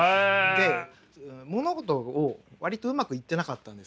で物事を割とうまくいってなかったんですよね。